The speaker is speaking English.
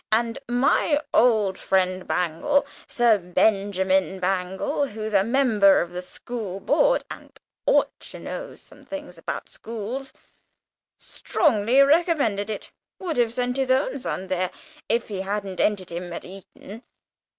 And my old friend Bangle, Sir Benjamin Bangle, who's a member of the School Board, and ought to know something about schools, strongly recommended it would have sent his own son there, if he hadn't entered him at Eton.